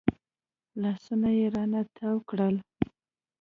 لاسونه يې رانه تاو کړل.